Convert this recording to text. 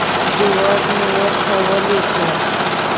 جواب مې ورته ولیکه.